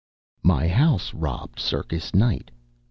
My house robbed circus night.